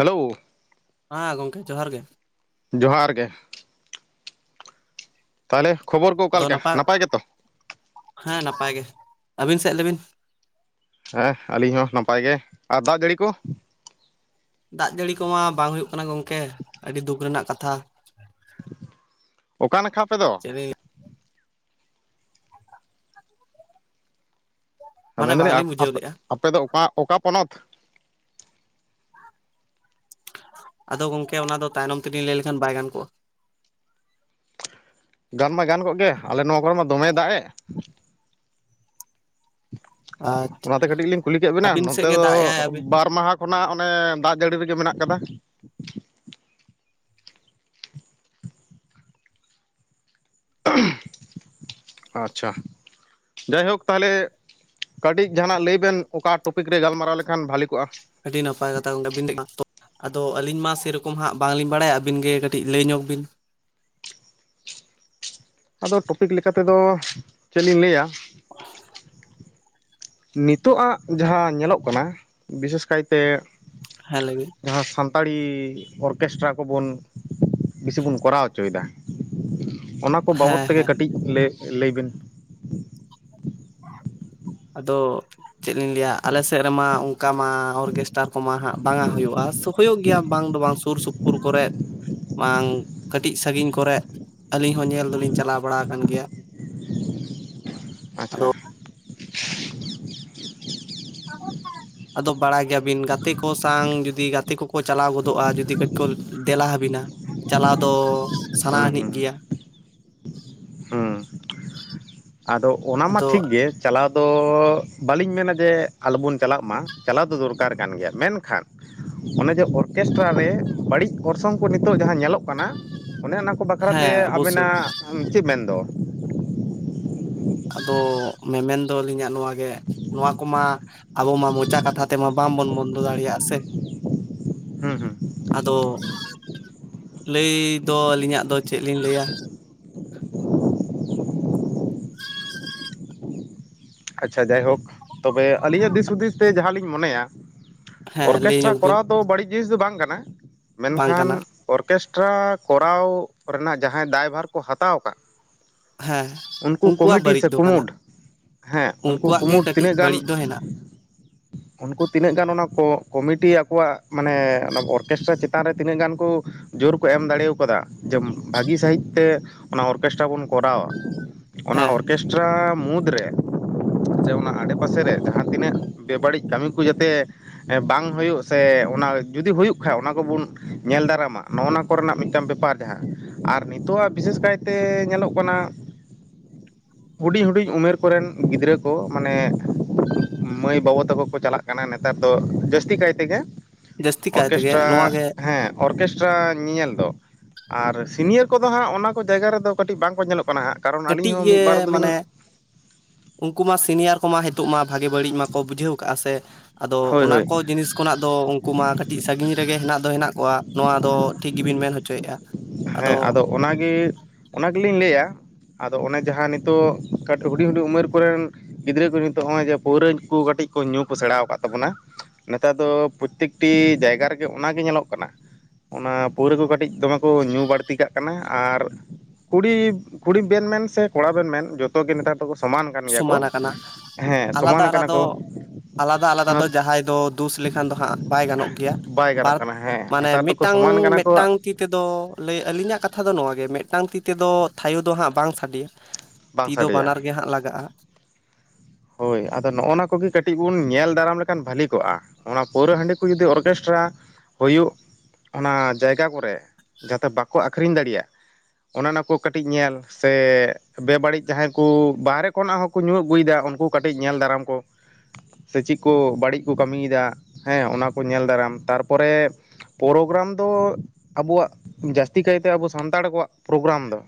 Hello. ᱦᱟᱸ ᱜᱚᱝᱠᱮ ᱡᱚᱦᱟᱨ ᱜᱮ᱾ ᱡᱚᱦᱟᱨ ᱜᱮ᱾ ᱛᱟᱦᱞᱮ ᱠᱷᱚᱵᱚᱨ ᱠᱚ ᱚᱠᱟ ᱞᱮᱠᱟ ᱱᱟᱯᱟᱭ ᱜᱮᱛᱚ? ᱦᱮᱸ ᱱᱟᱯᱟᱭ ᱜᱮ ᱟᱵᱤᱱ ᱥᱮᱫ ᱞᱟᱹᱭ ᱵᱤᱱ? ᱦᱮᱸ ᱟᱹᱞᱤᱧ ᱦᱚᱸ ᱱᱟᱯᱟᱭ ᱜᱮ᱾ ᱟᱨ ᱫᱟᱜ ᱡᱟᱹᱲᱤ ᱠᱚ? ᱫᱟᱜ ᱡᱟᱹᱲᱤ ᱠᱚᱢᱟ ᱵᱟᱝ ᱦᱩᱭᱩᱜ ᱠᱟᱱᱟ ᱜᱚᱝᱠᱮ᱾ ᱟᱹᱰᱤ ᱫᱩᱠ ᱨᱮᱱᱟᱜ ᱠᱟᱛᱷᱟ᱾ ᱚᱠᱟ ᱱᱟᱠᱷᱟ ᱟᱯᱮ ᱫᱚ? [unintelligible] ᱢᱟᱱᱮ ᱢᱮᱱᱫᱟᱞᱤᱧ ᱵᱟᱝᱞᱤᱧ ᱟᱯ ᱵᱩᱡᱷᱟᱹᱣ ᱟᱯ ᱞᱮᱫᱼᱟ ᱟᱯᱮ ᱫᱚ ᱚᱠᱟ ᱚᱠᱟ ᱯᱚᱱᱚᱛ? ᱟᱫᱚ ᱜᱚᱝᱠᱮ ᱚᱱᱟ ᱫᱚ ᱛᱟᱭᱱᱚᱢ ᱛᱮᱜᱤᱧ ᱞᱟᱹᱭ ᱞᱮᱠᱷᱟᱱ ᱵᱟᱭ ᱜᱟᱱ ᱠᱚᱜᱼᱟ ᱜᱟᱱ ᱢᱟ ᱜᱟᱱ ᱠᱚᱜ ᱜᱮ ᱟᱞᱮ ᱱᱚᱣᱟ ᱠᱚᱨᱮ ᱢᱟ ᱫᱚᱢᱮ ᱫᱟᱜ ᱮ ᱟᱨ ᱚᱱᱟᱛᱮ ᱠᱟᱹᱴᱤᱡ ᱞᱤᱧ ᱠᱩᱞᱤ ᱠᱮᱫ ᱵᱤᱱᱟ ᱟᱹᱵᱤᱱ ᱥᱮᱫ ᱱᱚᱛᱮ ᱜᱮ ᱫᱚ ᱫᱟᱜ ᱮᱟᱭ ᱟᱹᱵᱤᱱ ᱵᱟᱨ ᱢᱟᱦᱟ ᱠᱷᱚᱱᱟᱜ ᱚᱱᱮ ᱫᱟᱜ ᱡᱟᱹᱲᱤ ᱨᱮᱜᱮ ᱢᱮᱱᱟᱜ ᱟᱠᱟᱫᱟ [unintelligible] ᱟᱪᱪᱷᱟ ᱡᱟᱭᱦᱳᱠ ᱛᱟᱦᱚᱞᱮ ᱠᱟᱹᱴᱤᱡ ᱡᱟᱦᱟᱱᱟᱜ ᱞᱟᱹᱭ ᱵᱮᱱ ᱚᱠᱟ ᱴᱚᱯᱤᱠ ᱨᱮ ᱜᱟᱞᱢᱟᱨᱟᱣ ᱞᱮᱠᱷᱟᱱ ᱵᱷᱷᱟᱞᱤ ᱠᱚᱜᱼᱟ ᱟᱹᱰᱤ ᱱᱟᱯᱟᱭ ᱠᱟᱛᱷᱟ ᱟᱫᱚ ᱟᱹᱞᱤᱧ ᱢᱟ ᱥᱮ ᱨᱚᱠᱚᱢ ᱦᱟᱸᱜ ᱵᱟᱝᱞᱤᱧ ᱵᱟᱲᱟᱭᱟ ᱟᱹᱵᱤᱱ ᱜᱮ ᱠᱟᱹᱴᱤᱡ ᱞᱟᱹᱭ ᱧᱚᱜ ᱵᱤᱱ ᱟᱫᱚ ᱴᱚᱯᱤᱠ ᱞᱮᱠᱟᱛᱮ ᱫᱚ ᱪᱮᱫ ᱞᱤᱧ ᱞᱟᱹᱭ-ᱟ [unintelligible] ᱱᱤᱛᱚᱜᱼᱟᱜ ᱡᱟᱦᱟᱸ ᱧᱮᱞᱚᱜ ᱠᱟᱱᱟ ᱵᱤᱥᱮᱥ ᱠᱟᱭᱛᱮ ᱦᱮᱸ ᱞᱮ ᱵᱤᱱ ᱡᱟᱦᱟᱸ ᱥᱟᱱᱛᱟᱲᱤ ᱚᱨᱠᱮᱥᱴᱟᱨ ᱠᱚᱵᱚᱱ ᱵᱮᱥᱤ ᱵᱚᱱ ᱠᱚᱨᱟᱣ ᱦᱚᱪᱚᱭᱮᱫᱟ ᱚᱱᱟ ᱠᱚ ᱵᱟᱵᱚᱫ ᱦᱮᱸ ᱛᱮᱜᱮ ᱦᱮᱸ ᱠᱟᱹᱴᱤᱡ ᱞᱟᱹᱭ ᱵᱤᱱ ᱟᱫᱚ ᱪᱮᱫ ᱞᱤᱧ ᱞᱟᱹᱭ ᱟ ᱟᱞᱮ ᱥᱮᱫ ᱨᱮᱢᱟ ᱚᱱᱠᱟ ᱢᱟ ᱚᱨᱜᱮᱥᱴᱟᱨ ᱠᱚᱢᱟ ᱦᱟᱸᱜ ᱵᱟᱝᱟ ᱦᱩᱭᱩᱜᱼᱟ ᱦᱩᱭᱩᱜ ᱜᱮᱭᱟ ᱵᱟᱝ ᱫᱚ ᱵᱟᱝ ᱥᱩᱨ ᱥᱩᱯᱩᱨ ᱠᱚᱨᱮ ᱵᱟᱝ ᱠᱟᱹᱴᱤᱡ ᱥᱟᱺᱜᱤᱧ ᱠᱚᱨᱮᱜ ᱟᱹᱞᱤᱧ ᱦᱚᱸ ᱧᱮᱞ ᱫᱚᱞᱤᱧ ᱪᱟᱞᱟᱣ ᱵᱟᱲᱟ ᱟᱠᱟᱱ ᱜᱮᱭᱟ ᱟᱫᱚ ᱟᱪᱪᱷᱟ [unintelligible] ᱟᱫᱚ ᱵᱟᱲᱟᱭ ᱜᱮᱭᱟ ᱵᱤᱱ ᱜᱟᱛᱮ ᱠᱚ ᱥᱟᱶ ᱡᱩᱫᱤ ᱜᱟᱛᱮ ᱠᱚᱠᱚ ᱪᱟᱞᱟᱣ ᱜᱚᱫᱚᱜᱼᱟ ᱡᱩᱫᱤ ᱠᱟᱡ ᱠᱚ ᱫᱮᱞᱟ ᱟᱵᱤᱱᱟ ᱪᱟᱞᱟᱣ ᱫᱚ ᱦᱩᱸ ᱥᱟᱱᱟᱱᱤᱡ ᱦᱩᱸ ᱜᱮᱭᱟ ᱦᱩᱸ ᱟᱫᱚ ᱚᱱᱟ ᱢᱟ ᱟᱫᱚ ᱴᱷᱤᱠ ᱜᱮ ᱪᱟᱞᱟᱣ ᱫᱚ ᱵᱟᱹᱞᱤᱧ ᱢᱮᱱᱟ ᱡᱮ ᱟᱞᱚᱵᱚᱱ ᱪᱟᱞᱟᱜ ᱢᱟ ᱪᱟᱞᱟᱣ ᱫᱚ ᱫᱚᱨᱠᱟᱨ ᱠᱟᱱ ᱜᱮᱭᱟ ᱢᱮᱱᱠᱷᱟᱱ ᱚᱱᱮ ᱡᱮ ᱚᱨᱜᱮᱥᱴᱨᱟ ᱨᱮ ᱵᱟᱹᱲᱤᱡ ᱚᱨᱥᱚᱝ ᱠᱚ ᱱᱤᱛᱳᱜ ᱡᱟᱦᱟᱸ ᱧᱮᱞᱚᱜ ᱠᱟᱱᱟ ᱚᱱᱮ ᱚᱱᱟ ᱠᱚ ᱵᱟᱠᱷᱨᱟᱛᱮ ᱦᱮᱸ ᱚᱵᱚᱥᱥᱳᱭ ᱟᱵᱮᱱᱟᱜ ᱪᱮᱫ ᱢᱮᱱᱫᱚ ᱦ [unintelligible] ᱟᱫᱚ ᱢᱮᱢᱮᱱ ᱫᱚ ᱟᱹᱞᱤᱧᱟᱜ ᱱᱚᱣᱟ ᱜᱮ ᱱᱚᱣᱟ ᱠᱚᱢᱟ ᱟᱵᱚ ᱢᱟ ᱢᱚᱪᱟ ᱠᱟᱛᱷᱟ ᱛᱮᱢᱟ ᱵᱟᱝᱵᱚᱱ ᱵᱚᱱᱫᱚ ᱫᱟᱲᱮᱭᱟᱜᱼᱟ ᱥᱮ ᱦᱩᱸ ᱦᱩᱸ ᱟᱫᱚ ᱞᱟᱹᱭ ᱫᱚ ᱟᱹᱞᱤᱧᱟᱜ ᱫᱚ ᱪᱮᱫ ᱞᱤᱧ ᱞᱟᱹᱭ ᱟ ᱟᱪᱪᱷᱟ ᱡᱟᱭᱦᱳᱠ ᱛᱚᱵᱮ ᱟᱹᱞᱤᱧᱟᱜ ᱫᱤᱥ ᱦᱩᱫᱤᱥ ᱛᱮ ᱡᱟᱦᱟᱸᱞᱤᱧ ᱢᱚᱱᱮᱭᱟ ᱦᱮᱸ ᱞᱟᱹᱭ ᱚᱨᱜᱮᱥᱴᱨᱟ ᱧᱚᱜ ᱵᱤᱱ ᱠᱚᱨᱟᱣ ᱫᱚ ᱵᱟᱹᱲᱤᱡ ᱡᱤᱱᱤᱥ ᱫᱚ ᱵᱟᱝ ᱠᱟᱱᱟ ᱵᱟᱝ ᱢᱮᱱᱠᱷᱟᱱ ᱠᱟᱱᱟ ᱚᱨᱠᱮᱥᱴᱨᱟ ᱠᱚᱨᱟᱣ ᱨᱮᱱᱟᱜ ᱡᱟᱦᱟᱸᱭ ᱫᱟᱭᱵᱷᱟᱨ ᱠᱚ ᱦᱟᱛᱟᱣ ᱟᱠᱟᱫ ᱦᱮᱸ ᱩᱱᱠᱩ ᱩᱱᱠᱩᱣᱟᱜ ᱠᱚᱢᱤᱴᱤ ᱵᱟᱹᱲᱤᱡ ᱥᱮ ᱫᱚ ᱠᱟᱱᱟ ᱠᱩᱢᱩᱴ ᱦᱮᱸ ᱩᱱᱠᱩ ᱩᱱᱠᱩᱣᱟᱜ ᱜᱮ ᱠᱩᱢᱩᱴ ᱠᱟᱹᱴᱤᱡ ᱛᱤᱱᱟᱹᱜ ᱜᱟᱱ ᱵᱟᱹᱲᱤᱡ ᱫᱚ ᱦᱮᱱᱟᱜᱼᱟ ᱩᱱᱠᱩ ᱛᱤᱱᱟᱹᱜ ᱜᱟᱱ ᱚᱱᱟ ᱠᱚᱢᱤᱴᱤ ᱟᱠᱚᱣᱟᱜ ᱢᱟᱱᱮ ᱚᱨᱠᱮᱥᱴᱨᱟ ᱪᱮᱛᱟᱱ ᱨᱮ ᱛᱤᱱᱟᱹᱜ ᱜᱟᱱ ᱠᱚ ᱡᱳᱨ ᱠᱚ ᱮᱢ ᱫᱟᱲᱮ ᱠᱟᱫᱟ ᱡᱮ ᱵᱷᱟᱹᱜᱤ ᱥᱟᱺᱦᱤᱡ ᱛᱮ ᱚᱱᱟ ᱚᱨᱜᱮᱥᱴᱨᱟ ᱵᱚᱱ ᱠᱚᱨᱟᱣᱟ ᱚᱱᱟ ᱦᱮᱸ ᱚᱨᱠᱮᱥᱴᱨᱟ ᱢᱩᱫᱽᱨᱮ ᱡᱮ ᱚᱱᱟ ᱟᱰᱮ-ᱯᱟᱥᱮ ᱨᱮ ᱡᱟᱦᱟᱸ ᱛᱤᱱᱟᱹᱜ ᱵᱮ-ᱵᱟᱹᱲᱤᱡ ᱠᱟᱹᱢᱤ ᱠᱚ ᱡᱟᱛᱮ ᱵᱟᱝ ᱦᱩᱭᱩᱜ ᱥᱮ ᱚᱱᱟ ᱡᱩᱫᱤ ᱦᱩᱭᱩᱜ ᱠᱷᱟᱡ ᱚᱱᱟ ᱠᱚᱵᱚᱱ ᱧᱮᱞ ᱫᱟᱨᱟᱢᱟ ᱱᱚᱜᱼᱚ ᱱᱚᱣᱟ ᱠᱚᱨᱮᱱᱟᱜ ᱢᱤᱫᱴᱟᱱ ᱵᱮᱯᱟᱨ ᱡᱟᱦᱟᱸ ᱟᱨ ᱱᱤᱛᱚᱜ ᱟ ᱵᱤᱥᱮᱥ ᱠᱟᱭᱛᱮ ᱧᱮᱞᱚᱜ ᱠᱟᱱᱟ ᱦᱩᱰᱤᱧ ᱦᱩᱰᱤᱧ ᱩᱢᱮᱨ ᱠᱚᱨᱮᱱ ᱜᱤᱫᱽᱨᱟᱹ ᱠᱚ ᱢᱟᱱᱮ ᱢᱟᱹᱭ ᱵᱟᱹᱵᱩ ᱛᱟᱠᱚ ᱠᱚ ᱪᱟᱞᱟᱜ ᱠᱟᱱᱟ ᱱᱮᱛᱟᱨ ᱫᱚ ᱡᱟᱹᱥᱛᱤ ᱠᱟᱭ ᱛᱮᱜᱮ ᱡᱟᱹᱥᱛᱤ ᱠᱟᱭ ᱛᱮᱜᱮ ᱚᱨᱜᱮᱥᱴᱨᱟ ᱱᱚᱣᱟ ᱜᱮ ᱦᱮᱸ ᱚᱨᱜᱮᱥᱴᱨᱟ ᱧᱮᱧᱮᱞ ᱫᱚ ᱟᱨ ᱥᱤᱱᱤᱭᱟᱨ ᱠᱚᱫᱚ ᱦᱟᱸᱜ ᱚᱱᱟ ᱠᱚ ᱡᱟᱭᱜᱟ ᱨᱮᱫᱚ ᱠᱟᱹᱴᱤᱡ ᱵᱟᱝᱠᱚ ᱧᱮᱞᱚᱜ ᱠᱟᱱᱟ ᱦᱟᱸᱜ ᱠᱟᱨᱚᱱ ᱟᱹᱞᱤᱧ ᱠᱟᱹᱴᱤᱡ ᱦᱚᱸ ᱜᱮ ᱢᱤᱫ ᱵᱟᱨ ᱫᱚᱞᱤᱧ ᱢᱟᱱᱮ ᱩᱱᱠᱩ ᱢᱟ ᱥᱤᱱᱤᱭᱟᱨ ᱠᱚᱢᱟ ᱱᱤᱛᱚᱜ ᱢᱟ ᱵᱷᱟᱜᱮ ᱵᱟᱹᱲᱤᱡ ᱢᱟᱠᱚ ᱵᱩᱡᱷᱟᱹᱣ ᱠᱟᱜᱼᱟ ᱥᱮ ᱟᱫᱚ ᱦᱳᱭ ᱚᱱᱟ ᱦᱳᱭ ᱠᱚ ᱡᱤᱱᱤᱥ ᱠᱷᱚᱱᱟᱜ ᱫᱚ ᱩᱱᱠᱩ ᱢᱟ ᱠᱟᱹᱴᱤᱡ ᱥᱟᱺᱜᱤᱧ ᱨᱮᱜᱮ ᱦᱮᱱᱟᱜ ᱫᱚ ᱦᱮᱱᱟᱜ ᱠᱚᱣᱟ ᱱᱚᱣᱟ ᱫᱚ ᱴᱷᱤᱠ ᱜᱮᱵᱤᱱ ᱢᱮᱱ ᱦᱚᱪᱚᱣ [unintelligible] ᱟᱫᱚ ᱚᱱᱟᱜᱮ ᱚᱱᱟ ᱜᱮᱞᱤᱧ ᱞᱟᱹᱭ ᱟ ᱟᱫᱚ ᱚᱱᱮ ᱡᱟᱦᱟᱸ ᱱᱤᱛᱚᱜ ᱠᱟᱹᱴᱤᱡ ᱦᱩᱰᱤᱧ ᱦᱩᱰᱤᱧ ᱩᱢᱮᱨ ᱠᱚᱨᱮᱱ ᱜᱤᱫᱽᱨᱟᱹ ᱠᱚ ᱱᱤᱛᱚᱜ ᱱᱚᱜᱼᱚᱭ ᱡᱮ ᱯᱟᱹᱣᱨᱟᱹ ᱠᱚ ᱠᱟᱹᱴᱤᱡ ᱠᱚ ᱧᱩ ᱠᱚ ᱥᱮᱲᱟᱟᱣ ᱟᱠᱟᱫᱟ ᱠᱚ ᱛᱟᱵᱚᱱᱟ ᱱᱮᱛᱟᱨ ᱫᱚ ᱯᱨᱚᱛᱮᱠᱴᱤ ᱡᱟᱭᱜᱟ ᱨᱮᱜᱮ ᱚᱱᱟᱜ ᱜᱮ ᱧᱮᱞᱚᱜ ᱠᱟᱱᱟ᱾ ᱚᱱᱟ ᱯᱟᱹᱣᱨᱟᱹ ᱠᱚ ᱠᱟᱹᱴᱤᱡ ᱫᱚᱢᱮ ᱠᱚ ᱧᱩ ᱵᱟᱹᱲᱛᱤ ᱠᱟᱜ ᱠᱟᱱᱟ ᱟᱨ ᱠᱩᱲᱤ ᱠᱩᱲᱤ ᱵᱮᱱ ᱢᱮᱱ ᱥᱮ ᱠᱚᱲᱟ ᱵᱮᱱ ᱢᱮᱱ ᱡᱚᱛᱚ ᱜᱮ ᱱᱮᱛᱟᱨ ᱥᱚᱢᱟᱱ ᱠᱟᱱ ᱜᱮᱭᱟ ᱠᱚ ᱥᱚᱢᱟᱱ ᱟᱠᱟᱱᱟ ᱦᱮᱸ ᱥᱚᱢᱟᱱ ᱟᱞᱟᱫᱟ ᱠᱟᱱᱟ ᱟᱞᱟᱫᱟ ᱠᱚ ᱟᱞᱟᱫᱟ ᱟᱞᱟᱫᱟ ᱚᱱᱟ ᱡᱟᱦᱟᱸᱭ ᱫᱚ ᱫᱩᱥ ᱞᱮᱠᱷᱟᱱ ᱫᱚ ᱦᱟᱸᱜ ᱵᱟᱭ ᱜᱟᱱᱚᱜ ᱜᱮᱭᱟ ᱵᱟᱭ ᱜᱟᱱᱚᱜ ᱵᱟᱨ ᱠᱟᱱᱟ ᱦᱮᱸ ᱢᱟᱱᱮ ᱱᱮᱛᱟᱨ ᱫᱚᱠᱚ ᱢᱤᱫᱴᱟᱝ ᱥᱚᱢᱟᱱ ᱠᱟᱱᱟ ᱠᱚ ᱢᱤᱫᱴᱟᱝ ᱛᱤ ᱛᱮᱫᱚ ᱞᱟᱹᱭ ᱟᱹᱞᱤᱧᱟᱜ ᱠᱟᱛᱷᱟ ᱫᱚ ᱱᱚᱣᱟᱣᱟᱜᱮ ᱢᱤᱫᱴᱟᱝ ᱛᱤ ᱛᱮᱫᱚ ᱛᱷᱟᱭᱚ ᱫᱚ ᱦᱟᱸᱜ ᱵᱟᱝ ᱥᱟᱰᱮᱭᱟ᱾ ᱵᱟᱝ ᱛᱤ ᱫᱚ ᱥᱟᱰᱮᱭᱟ ᱵᱟᱱᱟᱨ ᱜᱮ ᱦᱟᱸᱜ ᱞᱟᱜᱟᱜᱼᱟ᱾ ᱦᱳᱭ ᱟᱫᱚ ᱱᱚᱜᱼᱱᱟ ᱠᱚᱜᱮ ᱠᱟᱹᱴᱤᱡ ᱵᱚᱱ ᱧᱮᱞ ᱫᱟᱨᱟᱢ ᱞᱮᱠᱷᱟᱱ ᱵᱷᱟᱞᱤ ᱠᱚᱜᱼᱟ᱾ ᱚᱱᱟ ᱯᱟᱹᱣᱨᱟᱹ ᱦᱟᱺᱰᱤ ᱠᱚ ᱡᱩᱫᱤ ᱚᱨᱠᱮᱥᱴᱨᱟ ᱦᱩᱭᱩᱜ ᱚᱱᱟ ᱡᱟᱭᱜᱟ ᱠᱚᱨᱮ ᱡᱟᱛᱮ ᱵᱟᱠᱚ ᱟᱠᱷᱨᱤᱧ ᱫᱟᱲᱮᱭᱟᱜ ᱚᱱᱟ ᱚᱱᱟ ᱠᱚ ᱠᱟᱹᱴᱤᱡ ᱧᱮᱞ ᱥᱮ ᱵᱮᱵᱟᱹᱲᱤᱡ ᱡᱟᱦᱟᱸᱭ ᱠᱚ ᱵᱟᱦᱨᱮ ᱠᱷᱚᱱᱟᱜ ᱦᱚᱸᱠᱚ ᱧᱩ ᱟᱹᱜᱩᱭᱮᱫᱟ ᱩᱱᱠᱩ ᱠᱟᱹᱴᱤᱡ ᱧᱮᱞ ᱫᱟᱨᱟᱢ ᱠᱚ ᱥᱮ ᱪᱮᱫ ᱠᱚ ᱵᱟᱹᱲᱤᱡ ᱠᱚ ᱠᱟᱹᱢᱤᱭᱮᱫᱟ᱾ ᱦᱮᱸ ᱚᱱᱟ ᱠᱚ ᱧᱮᱞ ᱫᱟᱨᱟᱢ ᱛᱟᱨᱯᱚᱨᱮ ᱯᱨᱳᱜᱨᱟᱢ ᱫᱚ ᱟᱵᱚᱣᱟᱜ ᱡᱟᱹᱥᱛᱤ ᱠᱟᱭᱛᱮ ᱟᱵᱚ ᱥᱟᱱᱛᱟᱲ ᱠᱚᱣᱟᱜ ᱯᱨᱳᱜᱨᱟᱢ ᱫᱚ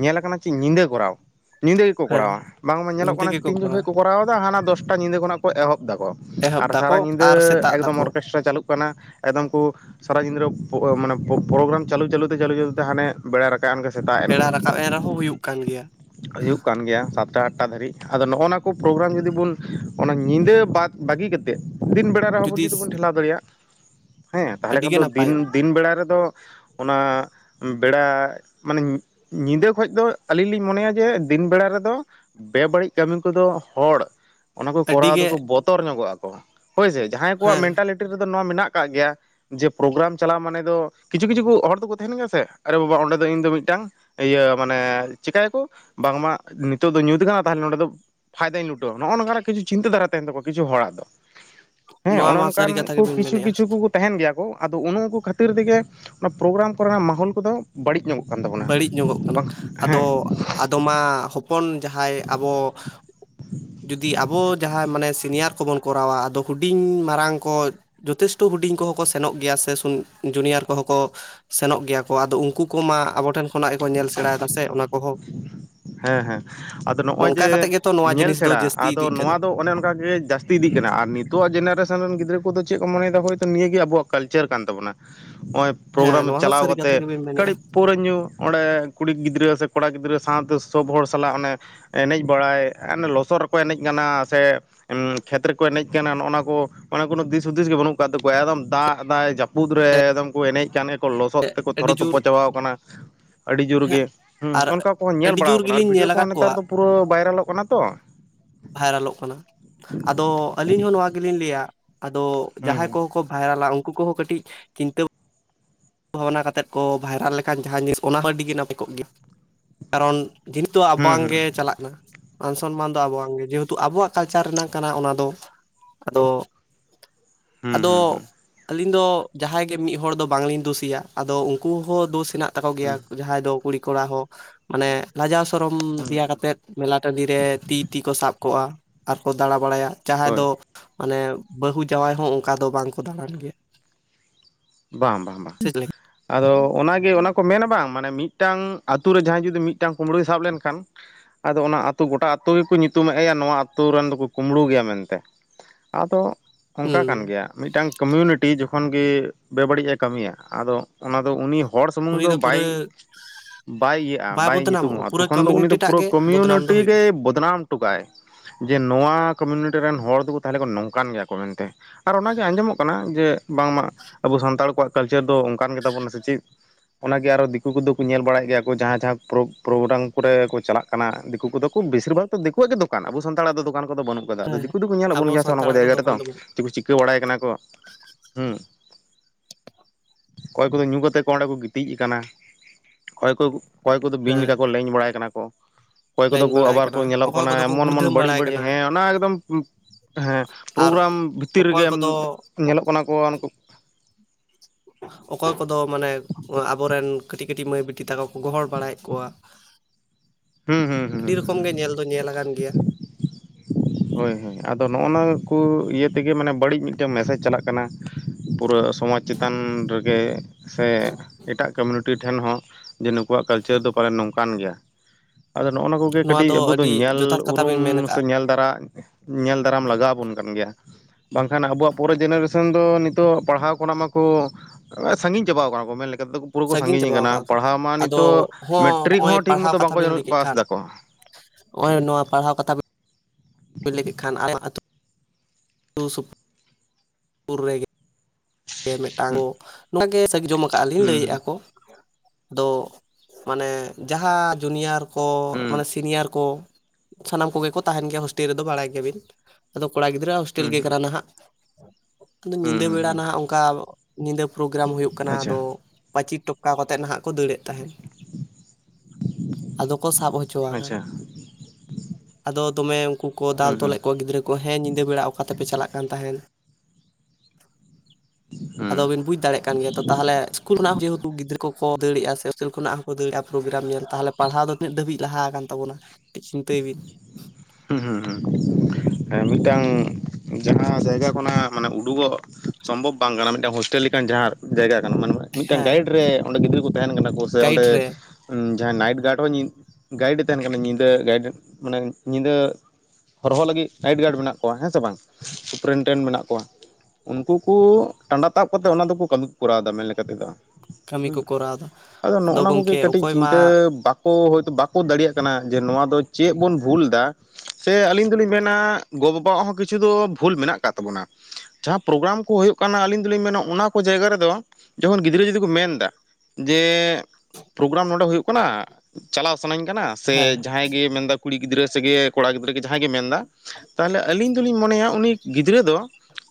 ᱧᱮᱞ ᱟᱠᱟᱱᱟ ᱪᱮᱫ ᱧᱤᱫᱟᱹ ᱠᱚᱨᱟᱣ ᱧᱤᱫᱟᱹ ᱜᱮᱠᱚ ᱦᱮᱸ ᱠᱚᱨᱟᱣᱟ ᱵᱟᱝᱢᱟ ᱧᱮᱞᱚᱜ ᱧᱤᱫᱟᱹ ᱠᱟᱱᱟ ᱜᱮᱠᱚ ᱛᱤᱱ ᱠᱚᱨᱟᱣᱟ ᱡᱚᱠᱷᱚᱡ ᱠᱚ ᱠᱚᱨᱟᱣ ᱮᱫᱟ ᱦᱟᱱᱟ ᱫᱚᱥᱴᱟ ᱧᱤᱫᱟᱹ ᱠᱷᱚᱱᱟᱜ ᱠᱚ ᱮᱦᱚᱵ ᱮᱫᱟᱠᱚ᱾ ᱮᱦᱚᱵ ᱟᱨ ᱫᱟᱠᱚ ᱥᱟᱨᱟ ᱟᱨ ᱧᱤᱫᱟᱹ ᱥᱮᱛᱟᱜ ᱮᱠᱫᱚᱢ ᱫᱟᱠᱚ ᱚᱨᱠᱮᱥᱴᱨᱟ ᱪᱟᱹᱞᱩᱜ ᱠᱟᱱᱟ ᱮᱠᱫᱚᱢ ᱠᱚ ᱥᱟᱨᱟ ᱧᱤᱫᱟᱹ ᱨᱮ ᱯᱨᱳᱜᱨᱟᱢ ᱢᱟᱱᱮ ᱯᱨᱳᱜᱟᱨᱢ ᱪᱟᱹᱞᱩ ᱪᱟᱹᱞᱩᱛᱮ ᱪᱟᱹᱞᱩ ᱪᱟᱹᱞᱩᱛᱮ ᱦᱟᱱᱮ ᱵᱮᱲᱲᱟ ᱨᱟᱠᱟᱵᱼᱟ ᱮᱱ ᱜᱮ᱾ ᱵᱮᱲᱟ ᱨᱟᱠᱟᱵ ᱮᱱ ᱨᱮᱦᱚᱸ ᱦᱩᱭᱩᱜ ᱠᱟᱱ ᱜᱮᱭᱟ᱾ ᱦᱩᱭᱩᱜ ᱠᱟᱱ ᱜᱮᱭᱟ ᱥᱟᱛᱴᱟ ᱟᱴᱟ ᱫᱷᱵᱤᱡ ᱟᱫᱚ ᱱᱚᱜᱼᱚ ᱱᱟ ᱯᱨᱳᱜᱨᱟᱢ ᱡᱩᱫᱤ ᱵᱚᱱ ᱚᱱᱟ ᱧᱤᱫᱟᱹ ᱵᱟᱫ ᱵᱟᱹᱜᱤ ᱠᱟᱛᱮ ᱫᱤᱱ ᱮᱴᱟᱜ ᱨᱮᱦᱚᱸᱚ ᱡᱩᱫᱤ ᱵᱚᱱ ᱴᱷᱮᱞᱟᱣ ᱫᱟᱲᱮᱭᱟᱜᱼᱟ ᱦᱮᱸ ᱛᱟᱦᱚᱞᱮ ᱠᱷᱟᱱ ᱟᱹᱰᱤᱜᱮ ᱫᱚ ᱫᱤᱱ ᱱᱟᱯᱟᱭᱚᱜᱼᱟ ᱫᱤᱱ ᱵᱮᱲᱟ ᱨᱮᱫᱚ ᱚᱱᱟ ᱵᱮᱲᱟ ᱢᱟᱱᱮ ᱧᱤᱫᱟᱹ ᱠᱷᱚᱡ ᱫᱚ ᱟᱹᱞᱤᱧ ᱞᱤᱧ ᱢᱚᱱᱮᱭᱟ ᱡᱮ ᱫᱤᱱ ᱵᱮᱲᱟ ᱨᱮᱫᱚ ᱵᱮ ᱵᱟᱹᱲᱤᱡ ᱠᱟᱹᱢᱤ ᱦᱚᱲ ᱚᱱᱟ ᱠᱚ ᱠᱚᱨᱟᱣ ᱟᱹᱰᱤᱜᱮ ᱫᱚᱠᱚ ᱵᱚᱛᱚᱨ ᱧᱚᱜᱚᱜ ᱟᱠᱚ ᱦᱳᱭᱥᱮ ᱡᱟᱦᱟᱸᱭ ᱠᱚᱣᱟᱜ ᱦᱮᱸ ᱢᱮᱱᱴᱟᱞᱤᱴᱤ ᱨᱮᱫᱚ ᱱᱚᱣᱟ ᱢᱮᱱᱟᱜ ᱟᱠᱟᱟᱜ ᱜᱮᱭᱟ᱾ ᱡᱮ ᱯᱨᱳᱜᱨᱟᱢ ᱪᱟᱞᱟᱣ ᱢᱟᱱᱮ ᱫᱚ ᱠᱤᱪᱷᱩ ᱠᱤᱪᱷᱩ ᱦᱚᱲ ᱫᱚᱠᱚ ᱛᱟᱦᱮᱱ ᱜᱮᱭᱟ ᱥᱮ ᱟᱨ ᱵᱟᱵᱟ ᱚᱸᱰᱮ ᱫᱚ ᱤᱧ ᱫᱚ ᱢᱤᱫᱴᱟᱝ ᱤᱭᱟᱹ ᱢᱟᱱᱮ ᱪᱤᱠᱟᱹᱭᱠᱚ ᱵᱟᱝᱢᱟ ᱱᱤᱛᱚᱜ ᱫᱚ ᱧᱩᱛ ᱠᱟᱱᱟ ᱛᱟᱦᱞᱮ ᱱᱚᱸᱰᱮ ᱫᱚ ᱯᱷᱟᱭᱫᱟᱧ ᱞᱩᱴᱟᱹᱣᱟ ᱱᱚᱜᱼᱚ ᱱᱚᱝᱱᱟᱜ ᱠᱤᱪᱩ ᱪᱤᱱᱟᱹ ᱫᱟᱨᱟ ᱛᱟᱦᱮᱱ ᱛᱠᱚᱣᱟ ᱠᱤᱪᱩ ᱦᱚᱲᱟᱜ ᱫᱚ ᱦᱮᱸ ᱱᱚᱣᱟ ᱚᱱᱮ ᱢᱟ ᱚᱱᱠᱟᱱ ᱥᱟᱹᱨᱤ ᱠᱟᱛᱷᱟ ᱠᱚ ᱜᱮᱵᱤᱱ ᱠᱤᱪᱷᱩ ᱢᱮᱱᱮᱫᱼᱟ ᱠᱤᱪᱷᱩ ᱠᱚ ᱛᱟᱦᱮᱱ ᱜᱮᱭᱟ ᱠᱚ ᱟᱫᱚ ᱩᱱ ᱩᱱᱠᱩ ᱠᱷᱟᱹᱛᱤᱨ ᱛᱮᱜᱮ ᱚᱱᱟ ᱯᱨᱳᱜᱨᱟᱢ ᱠᱚᱨᱮᱱᱟᱜ ᱢᱚᱦᱚᱞ ᱠᱚᱫᱚ ᱵᱟᱹᱲᱤᱡ ᱧᱚᱜᱚᱜ ᱠᱟᱱ ᱛᱟᱵᱚᱱᱟ ᱵᱟᱝᱠᱷ ᱦᱮᱸ ᱟᱫᱚᱢᱟ ᱦᱚᱯᱚᱱ ᱡᱟᱦᱟᱸᱭ ᱟᱵᱚ ᱡᱩᱫᱤ ᱟᱵᱚ ᱡᱟᱦᱟᱸᱭ ᱢᱟᱱᱮ ᱥᱤᱱᱤᱭᱟᱨ ᱠᱚᱵᱚᱱ ᱠᱚᱨᱟᱣᱟ ᱟᱫᱚ ᱦᱩᱰᱤᱧ ᱢᱟᱨᱟᱝ ᱠᱚ ᱡᱚᱛᱷᱮᱥᱴᱚ ᱦᱩᱰᱤᱧ ᱠᱚᱦᱚᱸ ᱠᱚ ᱥᱮᱱᱚᱜ ᱜᱮᱭᱟ ᱥᱮ ᱡᱩᱱᱤᱭᱟᱨ ᱠᱚᱦᱚᱸ ᱠᱚᱦᱚᱸ ᱥᱮᱱᱚᱜ ᱜᱮᱭᱟ ᱠᱚ ᱟᱫᱚ ᱩᱱᱠᱩ ᱠᱚᱢᱟ ᱟᱵᱚ ᱴᱷᱮᱱ ᱠᱷᱚᱱᱟᱜ ᱜᱮᱠᱚ ᱧᱮᱞ ᱥᱮᱲᱟᱭ ᱫᱟ ᱥᱮ ᱚᱱᱟ ᱠᱚᱦᱚᱸ ᱦᱮᱸ ᱦᱮᱸ ᱟᱫᱚ ᱱᱚᱜᱼᱚᱭ ᱚᱱᱠᱟ ᱡᱮ ᱠᱟᱛᱮᱜ ᱜᱮᱛᱚ ᱱᱚᱣᱟ ᱧᱮᱞ ᱡᱤᱱᱤᱥ ᱫᱚ ᱪᱷᱟᱲᱟ ᱡᱟᱹᱥᱛᱤ ᱟᱫᱚ ᱤᱫᱤᱜ ᱠᱟᱱᱟ ᱱᱚᱣᱟ ᱫᱚ ᱚᱱᱮ ᱚᱱᱠᱟᱟᱜ ᱜᱮ ᱡᱟᱹᱥ ᱞᱟᱹᱠᱛᱤ ᱤᱫᱤᱜ ᱠᱟᱱᱟ ᱟᱨ ᱱᱤᱛᱚᱜᱜ ᱡᱮᱱᱟᱨᱮᱥᱚᱱ ᱨᱮᱱ ᱜᱤᱫᱽᱨᱟᱹ ᱠᱚᱫᱚ ᱪᱮᱫ ᱠᱚ ᱢᱚᱱᱮᱭᱟ ᱦᱳᱭᱛᱚ ᱱᱟᱹᱜᱮ ᱟᱵᱚ ᱠᱟᱞᱪᱟᱨ ᱠᱟᱱ ᱛᱟᱵᱚᱱᱟ᱾ ᱦᱚᱸᱜᱼᱚᱭ ᱦᱮᱸ ᱯᱨᱳᱜᱨᱟᱢ ᱱᱚᱣᱟ ᱦᱚᱸ ᱪᱟᱞᱟᱣ ᱥᱟᱹᱨᱤ ᱠᱟᱛᱮ ᱠᱟᱛᱷᱟ ᱜᱮᱵᱤᱱ ᱢᱮᱱᱮᱫᱼᱟ ᱠᱟᱹᱴᱤᱡ ᱯᱟᱹᱣᱨᱟᱹ ᱧᱩ ᱚᱸᱰᱮ ᱠᱩᱲᱤ ᱜᱤᱫᱽᱨᱟᱹ ᱥᱮ ᱠᱚᱲᱟ ᱜᱤᱫᱽᱨᱟᱹ ᱥᱟᱶᱛᱮ ᱥᱳᱵ ᱦᱚᱲ ᱥᱟᱞᱟᱜ ᱚᱱᱮ ᱮᱱᱮᱡ ᱵᱟᱲᱟᱭ ᱱᱮ ᱞᱚᱥᱚᱫ ᱨᱮᱠᱚ ᱮᱱᱮᱡ ᱠᱟᱱᱟ ᱥᱮ ᱠᱷᱮᱛ ᱨᱮᱠᱚ ᱮᱱᱮᱡ ᱠᱟᱱᱟ ᱱᱚᱜᱼᱚ ᱱᱟ ᱠᱚ ᱚᱱᱟᱮ ᱠᱳᱱᱳ ᱫᱤᱥ ᱦᱩᱫᱤᱥ ᱜᱮ ᱵᱟᱹᱱᱩᱜ ᱠᱫ ᱛᱟᱠᱚᱣᱟ᱾ ᱮᱠᱫᱚᱢ ᱫᱟᱜ ᱫᱟᱭ ᱡᱟᱯᱫ ᱵᱩᱫᱽ ᱨᱮ ᱮᱠᱫᱚᱢ ᱠᱚ ᱮᱱᱮᱡ ᱠᱟᱱ ᱜᱮᱠᱚ ᱞᱚᱥᱚᱫ ᱛᱮᱠᱚ ᱟᱹᱰᱤ ᱛᱷᱚᱨᱚ ᱡᱳᱨ ᱛᱚᱯᱚ ᱪᱟᱵᱟᱟᱣ ᱟᱠᱟᱱᱟ ᱟᱹᱰᱤ ᱡᱳᱨ ᱦᱮᱸ ᱜᱮ ᱦᱮᱸ ᱟᱨ ᱚᱱᱠᱟ ᱠᱚᱦᱚᱸ ᱧᱮᱞ ᱟᱹᱰᱤ ᱵᱟᱲᱟ ᱡᱳᱨ ᱟᱠᱟᱱᱟ ᱟᱨ ᱜᱮᱞᱤᱧ ᱵᱷᱤᱰᱭᱳ ᱧᱮᱞ ᱠᱚᱦᱚᱸ ᱟᱠᱟᱫ ᱱᱮᱛᱟᱨ ᱠᱚᱣᱟ ᱫᱚ ᱯᱩᱨᱟᱹ ᱵᱷᱟᱭᱨᱟᱞᱚᱜ ᱠᱟᱱᱟ ᱛᱚ ᱵᱷᱟᱭᱨᱟᱞᱚᱜ ᱠᱟᱱᱟ ᱟᱫᱚ ᱟᱹᱞᱤᱧ ᱦᱚᱸ ᱱᱚᱣᱟ ᱜᱮᱞᱤᱧ ᱞᱟᱹᱭᱟ ᱟᱫᱚ ᱡᱟᱦᱟᱸᱭ ᱦᱩᱸ ᱠᱚᱦᱚᱸ ᱠᱚ ᱵᱷᱟᱭᱨᱟᱞᱟ ᱩᱱᱠᱩ ᱠᱚᱦᱚᱸ ᱠᱟᱹᱴᱤᱡ ᱪᱤᱱᱛᱟᱹ ᱵᱷᱟᱵᱽᱱᱟ ᱠᱟᱛᱮᱫ ᱠᱚ ᱵᱷᱟᱭᱨᱟᱞ ᱞᱮᱠᱷᱟᱱ ᱡᱟᱦᱟᱸ ᱡᱤᱱᱤᱥ ᱚᱱᱟ ᱦᱚᱸ ᱟᱹᱰᱤᱜᱮ ᱱᱟᱯ ᱠᱚᱜ ᱜᱮᱭᱟ᱾ ᱠᱟᱨᱚᱱ ᱡᱮᱦᱮᱛᱩ [unintelligible] ᱦᱩᱸ ᱵᱟᱝ ᱦᱩᱸ ᱜᱮ ᱪᱟᱞᱟᱜ ᱱᱟ᱾ [unintelligible] ᱢᱟᱱᱥᱚᱱᱢᱟᱱ ᱫᱚ ᱟᱵᱚ ᱟᱝᱜᱮ ᱡᱮᱦᱮᱛᱩ ᱟᱵᱚᱣᱟᱜ ᱠᱟᱞᱪᱟᱨ ᱨᱮᱱᱟᱝ ᱠᱟᱱᱟ ᱚᱱᱟ ᱫᱚ ᱟᱫᱚ ᱦᱩᱸ ᱟᱫᱚ ᱦᱩᱸ ᱦᱩᱸ ᱦᱩᱸ ᱟᱹᱞᱤᱧ ᱫᱚ ᱡᱟᱸᱦᱟᱭ ᱜᱮ ᱢᱤᱫ ᱦᱚᱲ ᱫᱚ ᱵᱟᱝᱞᱤᱧ ᱫᱳᱥᱤ ᱛᱤᱭᱟ ᱟᱫᱚ ᱩᱱᱠᱩ ᱦᱚᱸ ᱫᱳᱥ ᱦᱮᱱᱟᱜ ᱛᱟᱠᱚ ᱜᱮᱭᱟ ᱦᱩᱸ ᱡᱟᱸᱦᱟᱭ ᱫᱚ ᱠᱩᱲᱤ ᱠᱚᱲᱟ ᱦᱚᱸ ᱢᱟᱱᱮ ᱞᱟᱡᱟᱣ ᱥᱚᱨᱚᱢ ᱦᱩᱸ ᱫᱤᱭᱟ ᱠᱟᱛᱮᱫ ᱢᱮᱞᱟ ᱴᱟᱺᱰᱤᱨᱮ ᱛᱤ ᱛᱤ ᱠᱚ ᱥᱟᱵ ᱠᱚᱜᱼᱟ ᱟᱨᱠᱚ ᱫᱟᱬᱟ ᱵᱟᱲᱟᱭᱟ ᱡᱟᱸᱦᱟᱭ ᱦᱳᱭ ᱫᱚ ᱢᱟᱱᱮ ᱵᱟᱹᱦᱩ ᱡᱟᱶᱟᱭ ᱦᱚᱸ ᱚᱱᱠᱟ ᱫᱚ ᱵᱟᱝᱠᱚ ᱫᱟᱬᱟᱱ ᱜᱮ ᱾ ᱵᱟᱝ ᱵᱟᱝ ᱵᱟᱝ ᱥᱮ ᱪᱮᱫ [unintelligible] ᱟᱫᱚ ᱚᱱᱟᱜᱮ ᱚᱱᱟ ᱠᱚ ᱢᱮᱱᱟ ᱵᱟᱝ ᱢᱟᱱᱮ ᱢᱤᱫᱴᱟᱝ ᱟᱛᱩ ᱨᱮ ᱡᱟᱸᱦᱟᱭ ᱡᱩᱫᱤ ᱢᱤᱫᱴᱟᱝ ᱠᱳᱢᱵᱽᱲᱳᱭ ᱥᱟᱵ ᱞᱮᱱᱠᱷᱟᱱ ᱟᱫᱚ ᱚᱱᱟ ᱟᱹᱛᱩ ᱜᱚᱴᱟ ᱟᱹᱛᱳ ᱜᱮᱠᱚ ᱧᱩᱛᱩᱢᱟ ᱮᱭᱟ ᱱᱚᱣᱟ ᱟᱹᱛᱳ ᱨᱮᱱ ᱫᱚᱠᱚ ᱠᱳᱢᱵᱽᱲᱩ ᱜᱮᱭᱟ ᱢᱮᱱᱛᱮ ᱾ ᱟᱫᱚ ᱚᱱᱠᱟ ᱦᱩᱸ ᱠᱟᱱ ᱜᱮᱭᱟ ᱢᱤᱫᱴᱟᱝ ᱠᱟᱹᱢᱤᱭᱩᱱᱤᱴᱤ ᱡᱚᱠᱷᱚᱱ ᱜᱮ ᱵᱮᱵᱟᱹᱲᱤᱡ ᱮ ᱠᱟᱹᱢᱤᱭᱟ ᱟᱫᱚ ᱚᱱᱟ ᱫᱚ ᱩᱱᱤ ᱦᱚᱲ ᱥᱩᱢᱩᱝ ᱩᱱᱤ ᱫᱚ ᱯᱩᱨᱟᱹ ᱵᱟᱭ ᱵᱟᱭ ᱤᱭᱟᱹᱜᱼᱟ ᱵᱟᱭ ᱵᱚᱫᱱᱟᱢᱚᱜᱼᱟ ᱧᱩᱛᱩᱢᱚᱜᱼᱟ ᱯᱩᱨᱟᱹ ᱛᱚᱠᱷᱚᱱ ᱫᱚ ᱩᱱᱤ ᱫᱚ ᱠᱚᱢᱤᱩᱱᱤᱴᱤ ᱴᱟᱜ ᱯᱩᱨᱟᱹ ᱜᱮ ᱵᱚᱫᱱᱟᱢ ᱫᱚ ᱠᱚᱢᱤᱭᱩᱱᱤᱴᱤ ᱦᱩᱭᱩᱜᱼᱟ ᱜᱮᱭ ᱵᱚᱫᱱᱟᱢ ᱴᱚᱠᱟᱜ ᱟᱭ ᱾ ᱡᱮ ᱱᱚᱣᱟ ᱠᱚᱢᱤᱭᱩᱱᱤᱴᱤ ᱨᱮᱱ ᱦᱚᱲ ᱫᱚᱠᱚ ᱛᱟᱦᱚᱞᱮ ᱠᱚ ᱱᱚᱝᱠᱟᱱ ᱜᱮᱭᱟ ᱠᱚ ᱢᱮᱱᱛᱮ ᱾ ᱟᱨ ᱚᱱᱟᱜᱮ ᱟᱸᱡᱚᱢᱚᱜ ᱠᱟᱱᱟ ᱡᱮ ᱵᱟᱝᱢᱟ ᱟᱵᱚ ᱥᱟᱱᱛᱟᱲ ᱠᱚᱣᱟᱜ ᱠᱟᱞᱪᱟᱹᱨ ᱫᱚ ᱚᱱᱠᱟᱱ ᱜᱮᱛᱟᱵᱚᱱᱟ ᱥᱮ ᱪᱤᱫ? ᱚᱱᱟᱜᱮ ᱟᱨᱦᱚ ᱫᱤᱠᱩ ᱠᱚᱫᱚ ᱠᱚ ᱧᱮᱞ ᱵᱟᱲᱟᱭᱮ ᱜᱮᱭᱟ ᱠᱚ ᱡᱟᱸᱦᱟ ᱡᱟᱸᱦᱟ ᱯᱨᱳ ᱯᱨᱳᱜᱨᱟᱢ ᱠᱚᱨᱮ ᱠᱚ ᱪᱟᱞᱟᱜ ᱠᱟᱱᱟ ᱫᱮᱠᱳ ᱠᱚᱫᱚ ᱠᱚ ᱵᱮᱥᱤᱨ ᱵᱷᱟᱜᱽ ᱫᱚ ᱫᱮᱠᱳᱣᱟᱜ ᱜᱮ ᱫᱚᱠᱟᱱ ᱟᱵᱚ ᱥᱟᱱᱛᱟᱲᱟᱜ ᱫᱚᱠᱟᱱ ᱠᱚᱫᱚ ᱵᱟᱹᱱᱩᱜ ᱠᱫᱟ ᱦᱮᱸ ᱫᱤᱠᱩ ᱫᱚᱠᱚ ᱧᱮᱞᱮᱫ ᱵᱚᱱ ᱟᱵᱚ ᱜᱮᱭᱟ ᱥᱮ ᱚᱱᱟ ᱠᱚ ᱥᱟᱱᱛᱟᱲᱟᱜ ᱫᱚ ᱡᱟᱭᱜᱟ ᱨᱮᱫᱚ ᱫᱚᱠᱟᱱ ᱫᱚ ᱵᱟᱹᱱᱩᱜ ᱪᱩ ᱪᱤᱠᱟᱹ ᱵᱟᱲᱟᱭ ᱠᱟᱱᱟ ᱠᱚ ᱦᱩᱸ ᱾ ᱚᱠᱚᱭ ᱠᱚᱫᱚ ᱧᱩ ᱠᱟᱛᱮᱫ ᱠᱚ ᱚᱸᱰᱮ ᱠᱚ ᱜᱤᱛᱤᱡ ᱠᱟᱱᱟ, ᱚᱠᱚᱭ ᱠᱚ ᱚᱠᱚᱭ ᱠᱳᱫᱚ ᱵᱤᱧ ᱦᱮᱸ ᱞᱮᱠᱟ ᱠᱚ ᱞᱮᱧ ᱵᱟᱲᱟᱭ ᱠᱟᱱᱟ ᱠᱚ, ᱚᱠᱚᱭ ᱠᱚᱫᱚ ᱞᱟᱹᱧ ᱠᱳ ᱵᱟᱲᱟᱭ ᱟᱵᱟᱨ ᱠᱚ ᱠᱟᱱᱟ ᱧᱮᱞᱚᱜ ᱚᱠᱚᱭ ᱠᱟᱱᱟ ᱠᱚᱫᱚ ᱠᱚ ᱮᱢᱚᱱ ᱮᱢᱚᱱ ᱜᱩᱲᱫᱷᱟᱹᱢ ᱵᱟᱹᱲᱤᱡ ᱵᱟᱲᱟᱭ ᱵᱟᱹᱲᱤᱡ ᱠᱟᱱᱟ ᱦᱮᱸ ᱚᱱᱟ ᱮᱠᱫᱚᱢ ᱦᱮᱸ ᱟᱨ ᱯᱨᱳᱜᱨᱟᱢ ᱵᱷᱤᱛᱤᱨ ᱚᱠᱚᱭ ᱨᱮᱜᱮᱢ ᱠᱚᱫᱚ ᱧᱮᱞᱚᱜ ᱠᱟᱱᱟ ᱠᱚ ᱟᱱᱠᱳ ᱚᱠᱚᱭ ᱠᱚᱫᱚ ᱢᱟᱱᱮ ᱟᱵᱚᱨᱮᱱ ᱠᱟᱹᱴᱤᱡ ᱠᱟᱹᱴᱤᱡ ᱢᱟᱹᱭ ᱵᱤᱴᱤ ᱛᱟᱠᱚ ᱠᱚ ᱜᱚᱦᱚᱲ ᱵᱟᱲᱟᱭᱮᱫ ᱠᱚᱣᱟ ᱾ ᱦᱩᱸ ᱦᱩᱸ ᱦᱩᱸ ᱟᱹᱰᱤ ᱨᱚᱠᱚᱢ ᱜᱮ ᱧᱮᱞ ᱫᱚ ᱧᱮᱞ ᱟᱠᱟᱱ ᱜᱮᱭᱟ ᱾ ᱦᱳᱭ ᱦᱳᱭ ᱾ ᱟᱫᱚ ᱱᱚᱜᱼᱚ ᱱᱚᱣᱟ ᱠᱚ ᱤᱭᱟᱹ ᱛᱮᱜᱮ ᱢᱟᱱᱮ ᱵᱟᱹᱲᱤᱡ ᱢᱤᱫᱴᱟᱱ ᱢᱮᱥᱮᱡᱽ ᱪᱟᱞᱟᱜ ᱠᱟᱱᱟ ᱾ ᱯᱩᱨᱟᱹ ᱥᱚᱢᱟᱡᱽ ᱪᱤᱛᱟᱱ ᱨᱮᱜᱮ ᱥᱮᱸ ᱮᱴᱟᱜ ᱠᱟᱹᱢᱱᱤᱭᱩᱱᱤᱴᱤ ᱴᱷᱮᱱ ᱦᱚᱸ ᱡᱮ ᱱᱳᱠᱳᱣᱟᱜ ᱠᱟᱞᱪᱟᱨ ᱫᱚ ᱯᱟᱞᱮᱱ ᱱᱚᱝᱠᱟᱱ ᱜᱮᱭᱟ ᱾ ᱟᱫᱚ ᱱᱚᱜᱼᱚ ᱱᱚᱣᱟ ᱠᱚᱜᱮ ᱠᱟᱹᱴᱤᱡ ᱟᱵᱳ ᱫᱚ ᱟᱹᱰᱤ ᱧᱮᱞ ᱡᱚᱛᱷᱟᱛ ᱠᱟᱛᱷᱟ ᱵᱮᱱ ᱢᱮᱱ ᱳᱨᱳᱢ ᱥᱮ ᱟᱠᱟᱜᱼᱟ ᱧᱮᱞ ᱫᱟᱨᱟ ᱧᱮᱞ ᱫᱟᱨᱟᱢ ᱞᱟᱜᱟᱣ ᱟᱵᱚᱱ ᱠᱟᱱ ᱜᱮᱭᱟ ᱾ ᱵᱟᱝᱠᱷᱟᱱ ᱟᱵᱳᱣᱟᱜ ᱯᱚᱨᱮ ᱡᱮᱱᱟᱨᱮᱥᱮᱱ ᱫᱚ ᱱᱤᱛᱚᱜ ᱯᱟᱲᱦᱟᱣ ᱠᱷᱚᱱᱟᱜ ᱢᱟᱠᱚ ᱥᱟᱹᱜᱤᱧ ᱪᱟᱵᱟᱣ ᱠᱟᱱᱟ ᱠᱚ ᱢᱮᱱ ᱞᱮᱠᱟ ᱫᱳ ᱾ ᱯᱩᱨᱟᱹ ᱠᱚ ᱥᱟᱺᱜᱤᱧ ᱥᱟᱹᱜᱤᱧ ᱪᱟᱵᱟᱣ ᱠᱟᱱᱟ ᱾ ᱟᱠᱟᱜᱼᱟ ᱠᱚ ᱯᱟᱲᱦᱟᱣ ᱢᱟ ᱟᱫᱚ ᱱᱤᱛᱳᱜ ᱢᱮᱴᱨᱤᱠ ᱦᱚᱸᱜᱼᱚᱭ ᱦᱚᱸ ᱴᱷᱤᱠ ᱯᱟᱲᱦᱟᱣ ᱢᱚᱛᱚ ᱵᱟᱝᱠᱚ ᱯᱟᱥ ᱫᱟᱠᱚ ᱾ ᱱᱚᱜ ᱚᱭ ᱱᱚᱣᱟ ᱯᱟᱲᱦᱟᱣ ᱠᱟᱛᱷᱟ ᱦᱩᱭ ᱞᱟᱹᱜᱤᱫ ᱠᱷᱟᱱ ᱟᱛ [unintelligible] ᱥᱩ ᱥᱩᱯ ᱯᱩᱨ ᱨᱮᱜᱮ ᱢᱮᱫᱴᱟᱝ ᱦᱩᱸ ᱱᱚᱣᱟᱜᱮ ᱥᱮ ᱟᱡᱚᱢ ᱠᱟᱜᱼᱟ ᱞᱤᱧ ᱦᱩᱸ ᱞᱟᱹᱭᱮᱜᱼᱟ ᱠᱚ ᱟᱫᱚ ᱢᱟᱱᱮ ᱡᱟᱸᱦᱟ ᱡᱩᱱᱤᱭᱟᱨ ᱠᱚ ᱢᱟᱱᱮ ᱦᱩᱸ ᱥᱤᱱᱤᱭᱟᱨ ᱠᱚ ᱥᱟᱱᱟᱢ ᱠᱳᱜᱮ ᱠᱚ ᱛᱟᱦᱮᱱ ᱜᱮᱭᱟ ᱦᱳᱥᱴᱮᱞ ᱨᱮᱫᱚ ᱵᱟᱲᱟᱭ ᱜᱮᱭᱟᱵᱤᱱ ᱾ ᱟᱫᱚ ᱠᱚᱲᱟ ᱜᱤᱫᱽᱨᱟᱹ ᱟᱜ ᱦᱳᱥᱴᱮᱞ ᱦᱩᱸ ᱜᱮ ᱦᱩᱸ ᱠᱟᱱᱟ ᱱᱟᱦᱟᱜ ᱾ ᱟᱫᱚ ᱦᱩᱸ ᱧᱤᱫᱟᱹ ᱦᱩᱸ ᱵᱮᱲᱟ ᱦᱩᱸ ᱱᱟᱦᱟᱜ ᱚᱱᱠᱟ ᱧᱤᱫᱟᱹ ᱯᱨᱳᱜᱨᱟᱢ ᱦᱳᱭᱳᱜ ᱠᱟᱱᱟ ᱟᱪᱪᱷᱟ ᱟᱫᱚ ᱯᱟᱸᱪᱤᱨ ᱴᱚᱯᱠᱟᱣ ᱠᱟᱛᱮ ᱱᱟᱦᱟᱜ ᱠᱚ ᱫᱟᱹᱲ ᱮᱫ ᱛᱟᱸᱦᱮᱱ, ᱟᱫᱚ ᱠᱚ ᱥᱟᱵ ᱦᱚᱪᱚ ᱟᱪᱪᱷᱟ ᱟᱠᱟᱱᱟ ᱾ ᱟᱫᱚ ᱫᱚᱢᱮ ᱩᱱᱠᱩ ᱠᱚ ᱫᱟᱞ ᱦᱩᱸ ᱦᱩᱸ ᱛᱚᱞᱮᱫ ᱠᱚ ᱜᱤᱫᱽᱨᱟᱹ ᱠᱚ ᱦᱮᱸ ᱧᱤᱫᱟᱹ ᱵᱮᱲᱟ ᱚᱠᱟ ᱛᱮᱯᱮ ᱪᱟᱞᱟᱜ ᱠᱟᱱ ᱛᱟᱸᱦᱮᱱ? ᱦᱩᱸ ᱟᱫᱚ ᱵᱤᱱ ᱵᱩᱡᱽ ᱫᱟᱲᱮᱜ ᱠᱟᱱ ᱜᱮᱭᱟ ᱛᱚ ᱛᱟᱦᱟᱞᱮ ᱤᱥᱠᱩᱞ ᱠᱷᱚᱱᱟᱜ ᱦᱚᱸ ᱡᱮᱦᱮᱛᱩ ᱜᱤᱫᱽᱨᱟᱹ ᱠᱚ ᱠᱚ ᱫᱟᱹᱲ ᱮᱜ ᱟ ᱥᱮ ᱦᱳᱥᱮᱞ ᱠᱷᱚᱱᱟᱜ ᱦᱚᱠᱚ ᱫᱟᱹᱲ ᱮᱜ ᱟ ᱯᱨᱳᱜᱨᱟᱢ ᱧᱮᱞ ᱛᱟᱦᱟᱞᱮ ᱯᱟᱲᱦᱟᱣ ᱫᱚ ᱛᱤᱱᱟᱹ ᱫᱷᱟᱹᱵᱤᱡ ᱞᱟᱦᱟ ᱠᱟᱱ ᱛᱟᱵᱚᱱᱟ? ᱴᱤᱡ ᱪᱤᱱᱛᱟᱹᱭ ᱵᱤᱱ ᱦᱩᱸ ᱦᱩᱸ ᱢᱤᱫᱴᱟᱝ ᱡᱟᱸᱦᱟ ᱡᱟᱭᱜᱟ ᱠᱷᱚᱱᱟᱜ ᱢᱟᱱᱮ ᱩᱰᱩᱠᱚᱜ ᱥᱚᱢᱵᱷᱚᱵᱽ ᱵᱟᱝ ᱠᱟᱱᱟ ᱢᱤᱫᱴᱟᱝ ᱦᱳᱥᱴᱮᱞ ᱞᱮᱠᱟᱱ ᱡᱟᱸᱦᱟ ᱡᱟᱭᱜᱟ ᱠᱟᱱᱟ ᱢᱟᱱᱮ ᱢᱤᱫᱴᱟᱝ ᱦᱮᱸ ᱜᱟᱭᱤᱰ ᱨᱮ ᱚᱸᱰᱮ ᱜᱤᱫᱽᱨᱟᱹ ᱠᱚ ᱛᱟᱦᱮᱱ ᱠᱟᱱᱟ ᱠᱚ ᱥᱮ ᱚᱸᱰᱮ ᱜᱟᱭᱤᱰ ᱨᱮ ᱡᱟᱸᱦᱟᱭ ᱱᱟᱭᱤᱴ ᱜᱟᱨᱰ ᱦᱚᱸ ᱧᱤ ᱜᱟᱭᱤᱰᱮ ᱛᱟᱦᱮᱱ ᱠᱟᱱᱟ ᱧᱤᱫᱟᱹ ᱜᱟᱭᱤᱰ ᱢᱟᱱᱮ ᱧᱤᱫᱟᱹ ᱦᱚᱨᱦᱚ ᱞᱟᱹᱜᱤᱫ ᱱᱟᱭᱤᱴ ᱜᱟᱨᱰ ᱢᱮᱱᱟᱜ ᱠᱚᱣᱟ ᱦᱮᱸ ᱥᱮ ᱵᱟᱝ? ᱥᱩᱯᱨᱤᱱᱴᱮᱱᱮᱱᱴ ᱢᱮᱱᱟᱜ ᱠᱚᱣᱟ ᱾ ᱩᱱᱠᱩᱠᱩ ᱴᱟᱸᱰᱟ ᱛᱟᱵ ᱠᱟᱛᱮᱜ ᱚᱱᱟ ᱫᱚᱠᱚ ᱠᱟᱹᱢᱤ ᱠᱚᱨᱟᱣᱮᱫᱟ ᱢᱮᱱ ᱞᱮᱠᱟᱛᱮᱫᱚ ᱠᱟᱹᱢᱤ ᱦᱩᱸ ᱠᱚ ᱠᱚᱨᱟᱣ ᱮᱫᱟ ᱟᱫᱚ ᱱᱚᱜᱼᱚ ᱱᱚᱣᱟ ᱠᱚᱜᱮ ᱜᱚᱢᱠᱮ ᱠᱟᱹᱴᱤᱡ ᱚᱠᱚᱭ ᱢᱟ ᱪᱤᱱᱛᱟᱹ ᱵᱟᱠᱚ ᱦᱳᱭᱛᱳ ᱵᱟᱠᱚ ᱫᱟᱲᱮᱭᱟᱜ ᱠᱟᱱᱟ ᱡᱮ ᱱᱚᱣᱟ ᱫᱚ ᱪᱮᱫ ᱵᱚᱱ ᱵᱷᱩᱞ ᱮᱫᱟ ᱥᱮ ᱟᱹᱞᱤᱧ ᱫᱚᱞᱤᱧ ᱢᱮᱱᱟ ᱜᱚᱼᱵᱟᱵᱟᱣᱟᱜ ᱦᱚᱸ ᱠᱤᱪᱷᱩ ᱫᱚ ᱵᱷᱩᱞ ᱢᱮᱱᱟᱜ ᱟᱠᱟᱫ ᱛᱟᱵᱚᱱᱟ ᱡᱟᱦᱟᱸ ᱯᱨᱳᱜᱨᱟᱢ ᱠᱚ ᱦᱩᱭᱩᱜ ᱠᱟᱱᱟ ᱟᱹᱞᱤᱧ ᱫᱚᱞᱤᱧ ᱢᱮᱱᱟ ᱚᱱᱟ ᱠᱚ ᱡᱟᱭᱜᱟ ᱨᱮᱫᱚ ᱡᱚᱠᱷᱚᱱ ᱜᱤᱫᱽᱨᱟᱹ ᱡᱩᱫᱤ ᱠᱚ ᱢᱮᱱᱫᱟ ᱡᱮ ᱯᱨᱳᱜᱨᱟᱢ ᱱᱚᱰᱮ ᱦᱩᱭᱩᱜ ᱠᱟᱱᱟ ᱪᱟᱞᱟᱣ ᱥᱟᱱᱟᱧ ᱠᱟᱱᱟ ᱥᱮ ᱦᱮᱸ ᱡᱟᱦᱟᱸᱭ ᱜᱮ ᱢᱮᱱ ᱮᱫᱟ ᱠᱩᱲᱤ ᱜᱤᱫᱽᱨᱟᱹ ᱥᱮᱜᱮ ᱠᱚᱲᱟ ᱜᱤᱫᱽᱨᱟᱹ ᱜᱮ ᱡᱟᱦᱟᱸᱭ ᱜᱮ ᱢᱮᱱ ᱮᱫᱟ ᱛᱟᱦᱚᱞᱮ ᱟᱹᱞᱤᱧ ᱫᱚᱞᱤᱧ ᱢᱚᱱᱮᱭᱟ ᱩᱱᱤ ᱜᱤᱫᱽᱨᱟᱹ ᱫᱚ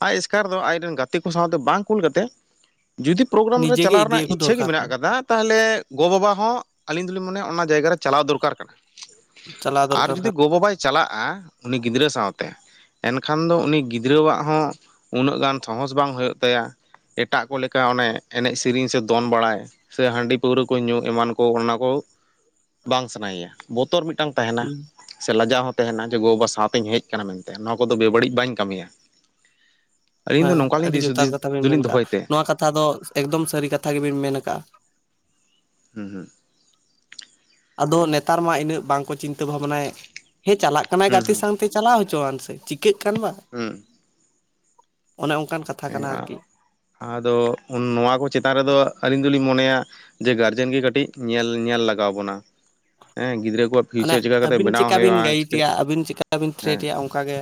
ᱟᱡ ᱮᱥᱠᱟᱨ ᱫᱚ ᱟᱡᱨᱮᱱ ᱜᱟᱛᱮ ᱠᱚ ᱥᱟᱶᱛᱮ ᱵᱟᱝ ᱠᱩᱞ ᱠᱟᱛᱮᱫ ᱡᱩᱫᱤ ᱯᱨᱳᱜᱨᱟᱢ ᱨᱮ ᱱᱤᱡᱮ ᱜᱮ ᱪᱟᱞᱟᱣ ᱤᱫᱤ ᱨᱮᱱᱟᱜ ᱟᱹᱜᱩ ᱤᱪᱪᱷᱟᱹ ᱜᱮ ᱫᱚᱨᱠᱟᱨ ᱢᱮᱱᱟᱜ ᱠᱟᱱᱟ ᱟᱠᱟᱫᱟ ᱛᱟᱦᱚᱞᱮ ᱜᱚᱼ ᱵᱟᱵᱟ ᱦᱚᱸ ᱟᱹᱞᱤᱧ ᱫᱚᱞᱤᱧ ᱢᱚᱱᱮᱭᱟ ᱚᱱᱟ ᱡᱟᱭᱜᱟ ᱨᱮ ᱪᱟᱞᱟᱣ ᱫᱚᱨᱠᱟᱨ ᱠᱟᱱᱟ ᱪᱟᱞᱟᱣ ᱟᱨ ᱫᱚᱨᱠᱟᱨ ᱡᱩᱫᱤ ᱠᱟᱱᱟ ᱜᱚ ᱵᱟᱵᱟᱭ ᱪᱟᱞᱟᱜᱼᱟ ᱩᱱᱤ ᱜᱤᱫᱽᱨᱟᱹ ᱥᱟᱶᱛᱮ ᱮᱱᱠᱷᱟᱱ ᱫᱚ ᱩᱱᱤ ᱜᱤᱫᱽᱨᱟᱹᱣᱟᱜ ᱦᱚᱸ ᱩᱱᱟᱹᱜ ᱜᱟᱱ ᱥᱟᱦᱚᱥ ᱵᱟᱝ ᱦᱩᱭᱩᱜ ᱛᱟᱭᱟ ᱮᱴᱟᱜ ᱠᱚ ᱞᱮᱠᱟ ᱚᱱᱮ ᱮᱱᱮᱡ ᱥᱮᱨᱮᱧ ᱥᱮ ᱫᱚᱱ ᱵᱟᱲᱟᱭ ᱥᱮ ᱦᱟᱺᱰᱤ ᱯᱟᱹᱣᱨᱟᱹ ᱠᱚ ᱧᱩ ᱮᱢᱟᱱ ᱠᱚ ᱚᱱᱟ ᱠᱚ ᱵᱟᱝ ᱥᱟᱱᱟᱭᱮᱭᱟ ᱵᱚᱛᱚᱨ ᱢᱤᱫᱴᱮᱱ ᱢᱤᱫᱴᱟᱝ ᱛᱟᱦᱮᱱᱟ ᱥᱮ ᱞᱟᱡᱟᱣ ᱦᱚᱸ ᱛᱟᱦᱮᱱᱟ ᱡᱮ ᱜᱚ ᱵᱟᱵᱟ ᱥᱟᱶᱛᱮᱧ ᱦᱮᱡ ᱟᱠᱟᱱᱟ ᱢᱮᱱᱛᱮ ᱱᱚᱣᱟ ᱠᱚᱫᱚ ᱵᱮᱵᱟᱹᱲᱤᱡ ᱵᱟᱹᱧ ᱠᱟᱹᱢᱤᱭᱟ ᱞᱤᱧ ᱫᱚ ᱦᱮᱸ ᱱᱚᱝᱠᱟᱞᱤᱧ ᱟᱹᱰᱤ ᱫᱤᱥ ᱡᱚᱛᱷᱟᱛ ᱦᱩᱫᱤᱥ ᱠᱟᱛᱷᱟ ᱵᱤᱱ ᱢᱮᱱ ᱫᱚᱞᱤᱧ ᱠᱟᱜᱼᱟ ᱫᱚᱦᱚᱭ ᱛᱮ ᱱᱚᱣᱟ ᱠᱟᱛᱷᱟ ᱫᱚ ᱮᱠᱫᱚᱢ ᱥᱟᱹᱨᱤ ᱠᱟᱛᱷᱟ ᱜᱮᱵᱤᱱ ᱢᱮᱱ ᱟᱠᱟᱜᱼᱟ ᱦᱩᱸ ᱦᱩᱸ ᱟᱫᱚ ᱱᱮᱛᱟᱨ ᱢᱟ ᱤᱱᱟᱹᱜ ᱵᱟᱝᱠᱚ ᱪᱤᱱᱛᱟᱹ ᱵᱷᱟᱵᱽᱱᱟᱭ ᱦᱮᱸ ᱪᱟᱞᱟᱜ ᱠᱟᱱᱟᱭ ᱦᱩᱸ ᱜᱟᱛᱮ ᱦᱩᱸ ᱥᱟᱶᱛᱮ ᱪᱟᱞᱟᱣ ᱦᱚᱪᱚᱣᱟᱱ ᱥᱮ ᱪᱤᱠᱟᱹᱜ ᱠᱟᱱ ᱵᱟ ᱦᱩᱸ ᱚᱱᱮ ᱚᱱᱠᱟᱱ ᱠᱟᱛᱷᱟ ᱦᱮᱸ ᱠᱟᱱᱟ ᱟᱨᱠᱤ ᱟᱫᱚ ᱱᱚᱣᱟ ᱠᱚ ᱪᱮᱛᱟᱱ ᱨᱮᱫᱚ ᱟᱹᱞᱤᱧ ᱫᱚᱞᱤᱧ ᱢᱚᱱᱮᱭᱟ ᱡᱮ ᱜᱟᱨᱡᱮᱱ ᱜᱮ ᱠᱟᱹᱴᱤᱡ ᱧᱮᱞ ᱧᱮᱞ ᱞᱟᱜᱟᱣ ᱵᱚᱱᱟ ᱦᱮᱸ ᱜᱤᱫᱽᱨᱟᱹ ᱠᱚᱣᱟᱜ ᱚᱱᱮ ᱯᱷᱤᱭᱩᱪᱟᱨ ᱪᱤᱠᱟ ᱠᱟᱛᱮᱜ ᱟᱹᱵᱤᱱ ᱵᱮᱱᱟᱣ ᱪᱮᱠᱟ ᱦᱩᱭᱩᱜᱼᱟ ᱵᱤᱱ ᱪᱤᱠᱟᱹᱜ ᱜᱟᱭᱤᱰᱮᱭᱟ ᱟᱹᱵᱤᱱ ᱪᱮᱠᱟ ᱵᱤᱱ ᱦᱮᱸ ᱛᱷᱨᱮᱴᱮᱭᱟ ᱚᱱᱠᱟᱜᱮ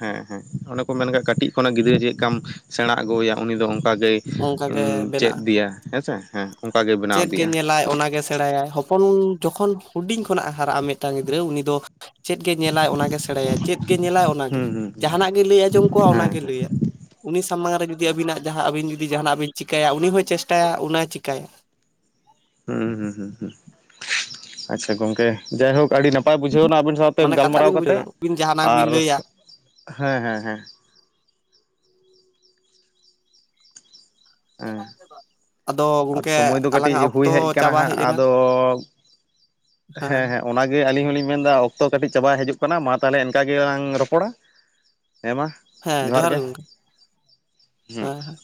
ᱦᱮᱸ ᱦᱮᱸ ᱚᱱᱮ ᱠᱚ ᱢᱮᱱᱠᱷᱟᱱ ᱠᱟᱹᱴᱤᱡ ᱠᱷᱚᱱᱟᱜ ᱜᱤᱫᱽᱨᱟᱹ ᱪᱮᱫ ᱞᱮᱠᱟᱢ ᱥᱮᱬᱟ ᱟᱹᱜᱩᱟᱭᱟ ᱩᱱᱤ ᱫᱚ ᱚᱱᱠᱟ ᱜᱮ ᱚᱱᱠᱟᱜᱮ ᱪᱮᱫ ᱵᱮᱱᱟᱜᱼᱟ ᱤᱫᱤᱭᱟ ᱦᱮᱸᱥᱮ ᱦᱮᱸ ᱚᱱᱠᱟ ᱪᱮᱫ ᱵᱮᱱᱟᱣ ᱜᱮ ᱤᱫᱤᱜᱼᱟ ᱧᱮᱞᱟᱭ ᱚᱱᱟᱜᱮ ᱥᱮᱬᱟᱭᱟᱭ ᱦᱚᱯᱚᱱ ᱡᱚᱠᱷᱚᱱ ᱦᱩᱰᱤᱧ ᱠᱷᱚᱱᱟᱜᱼ ᱮ ᱦᱟᱨᱟᱜᱼᱟ ᱢᱤᱫᱴᱟᱝ ᱜᱤᱫᱽᱨᱟᱹ ᱩᱱᱤ ᱫᱚ ᱪᱮᱫ ᱜᱮᱭ ᱧᱮᱞᱟᱭ ᱚᱱᱟᱜᱮ ᱥᱮᱬᱟᱭ ᱪᱮᱫ ᱜᱮᱭ ᱧᱮᱞᱟᱭ ᱚᱱᱟᱜᱮ ᱦᱩᱸ ᱦᱩᱸ ᱡᱟᱦᱟᱱᱟᱜ ᱜᱮᱭ ᱞᱟᱹᱭ ᱟᱸᱡᱚᱢ ᱠᱚᱜᱼᱟ ᱦᱮᱸ ᱚᱱᱟᱜᱮᱭ ᱦᱮᱸ ᱞᱟᱹᱭ ᱟ ᱩᱱᱤ ᱥᱟᱢᱟᱝ ᱨᱮ ᱡᱩᱫᱤ ᱟᱹᱵᱤᱱᱟᱜ ᱡᱟᱦᱟᱸ ᱟᱹᱵᱤᱱ ᱡᱩᱫᱤ ᱡᱟᱦᱟᱱᱟᱜ ᱵᱤᱱ ᱪᱤᱠᱟᱹᱭᱟ ᱩᱱᱤ ᱦᱚᱸᱭ ᱪᱮᱥᱴᱟᱭᱟ ᱚᱱᱟᱭ ᱪᱤᱠᱟᱭᱟ ᱦᱩᱸ ᱦᱩᱸ ᱦᱩᱸ ᱦᱩ ᱟᱪᱪᱷᱟ ᱜᱚᱝᱠᱮ ᱡᱟᱭᱦᱳᱠ ᱟᱹᱰᱤ ᱱᱟᱯᱟᱭ ᱱᱟᱯᱟᱭ ᱵᱩᱡᱷᱟᱹᱣ ᱮᱱᱟ ᱟᱵᱤᱱ ᱥᱟᱶᱛᱮ ᱢᱟᱱᱮ ᱠᱟᱛᱷᱟ ᱜᱟᱞᱢᱟᱨᱟᱣ ᱵᱤᱱ ᱵᱩᱡᱷᱟᱹᱣ ᱠᱟᱛᱮ ᱫᱟ ᱟᱹᱵᱤᱱ ᱡᱟᱦᱟᱱᱟᱜ ᱵᱤᱱ ᱟᱨ ᱞᱟᱹᱭᱟ ᱦᱮᱸ ᱦᱮᱸ ᱦᱮᱸ ᱵᱟ ᱦᱮᱸ [unintelligible] ᱟᱫᱚ ᱜᱚᱝᱠᱮ ᱥᱚᱢᱚᱭ ᱫᱚ ᱠᱟᱹᱴᱤᱡ ᱟᱞᱟᱝᱟᱜ ᱦᱩᱭ ᱚᱠᱛᱚ ᱦᱮᱡ ᱠᱟᱱᱟ ᱪᱟᱵᱟ ᱦᱟᱸᱜ ᱦᱮᱡ ᱮᱱᱟ ᱟᱫᱚ ᱦᱮᱸ ᱚᱱᱟᱜᱮ ᱟᱹᱞᱤᱧ ᱦᱚᱞᱤᱧ ᱢᱮᱱᱮᱫᱟ ᱚᱠᱛᱚ ᱠᱟᱹᱴᱤᱡ ᱪᱟᱵᱟᱭ ᱦᱤᱡᱩᱜ ᱠᱟᱱᱟ ᱢᱟ ᱛᱟᱦᱚᱞᱮ ᱤᱱᱠᱟ ᱜᱮᱞᱟᱝ ᱨᱚᱯᱚᱲᱟ ᱦᱮ ᱢᱟ ᱦᱮᱸ ᱡᱚᱦᱟᱨ ᱜᱮ ᱜᱚᱝᱠᱮ ᱦᱩᱸ ᱦᱮᱸ ᱦᱮ